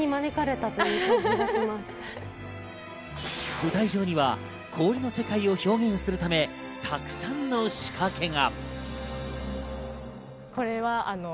舞台上には氷の世界を表現するため、たくさんの仕掛けが。